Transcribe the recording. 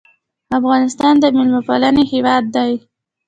افغانستان د میلمه پالنې هیواد دی